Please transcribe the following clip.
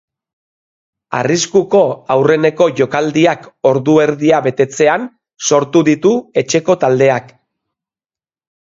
Arriskuko aurreneko jokaldiak ordu erdia betetzean sortu ditu etxeko taldeak.